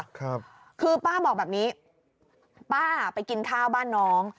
ครับคือป้าบอกแบบนี้ป้าไปกินข้าวบ้านน้อง